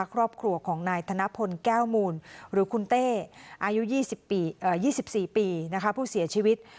ครอบครัวของนายธนพลแก้วมูลหรือคุณเต้อายุ๒๔ปีผู้เสียชีวิต